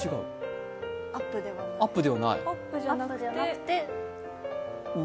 アップではない。